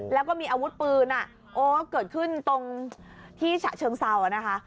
แล้วก็มีอาวุธปืนอ่ะโอ้เกิดขึ้นตรงที่ฉะเชิงเซานะคะ